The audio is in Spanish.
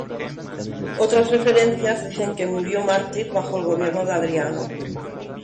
Otras referencias dicen que murió mártir bajo el gobierno de Adriano.